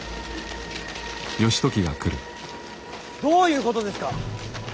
どういうことですか！